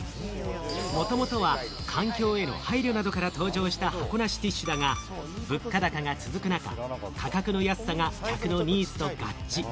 もともとは環境への配慮などから登場した箱なしティッシュだが、物価高が続く中、価格の安さが客のニーズと合致。